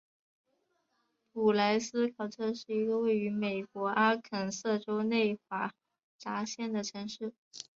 蒲莱斯考特是一个位于美国阿肯色州内华达县的城市。